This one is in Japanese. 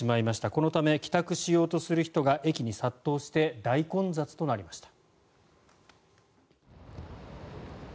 このため、帰宅しようとする人が駅に殺到して大混雑となりました。